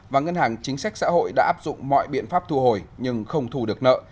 và ngân hàng chính sách xã hội đã áp dụng mọi biện pháp thu hồi nhưng không thu được nợ